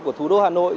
của thủ đô hà nội